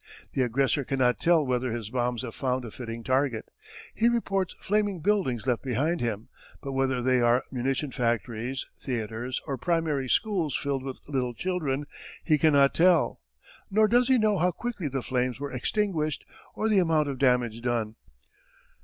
The aggressor cannot tell whether his bombs have found a fitting target. He reports flaming buildings left behind him, but whether they are munition factories, theatres, or primary schools filled with little children he cannot tell. Nor does he know how quickly the flames were extinguished, or the amount of damage done.